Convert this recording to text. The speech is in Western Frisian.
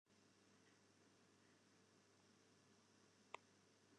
Sjoch op ús website foar mear ynformaasje oer ús produkten.